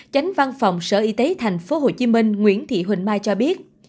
chánh văn phòng sở y tế thành phố hồ chí minh nguyễn thị huỳnh mai cho biết